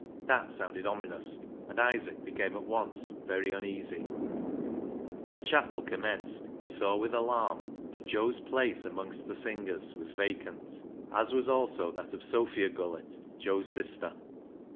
That sounded ominous, and Isaac became at once very uneasy. When chapel commenced he saw with alarm that Joe's place amongst the singers was vacant, as was also that of Sophia Gullett, Joe's sister.